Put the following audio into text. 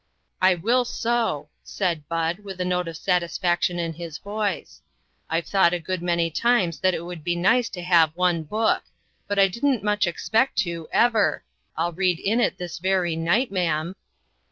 "I will so," said Bud, with a note of satisfaction in his voice. "I've thought a good many times that it would be nice to have one book ; but I didn't much expect to, ever. Ill read in it this very night, ma'am."